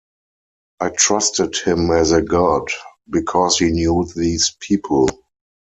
I trusted him as a god, because he knew these people.